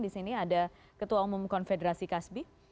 di sini ada ketua umum konfederasi kasbi